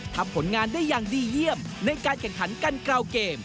ผลงานได้อย่างดีเยี่ยมในการแข่งขันกันกราวเกม